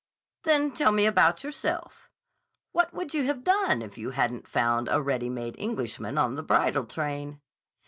"Then tell me about yourself. What would you have done if you hadn't found a readymade Englishman on the bridal train?"